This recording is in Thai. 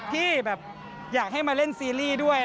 ที่แบบอยากให้มาเล่นซีรีส์ด้วย